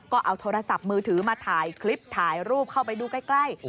ก็เอาโทรศัพท์มือถือมาถ่ายคลิปถ่ายรูปเข้าไปดูใกล้